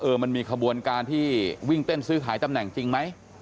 มันมีขบวนการที่วิ่งเต้นซื้อขายตำแหน่งจริงไหม